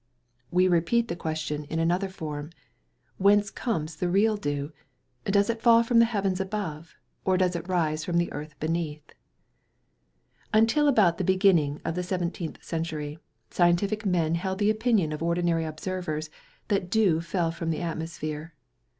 We repeat the question in another form, "Whence comes the real dew? Does it fall from the heavens above, or does it rise from the earth beneath?" Until about the beginning of the seventeenth century, scientific men held the opinion of ordinary observers that dew fell from the atmosphere.